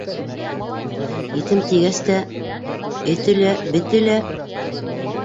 Етем тигәс тә, эте лә, бете лә!..